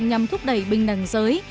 nhằm thúc đẩy bình đẳng giới